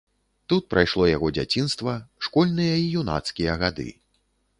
Тут прайшло яго дзяцінства, школьныя і юнацкія гады.